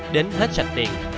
đến hết sạch tiền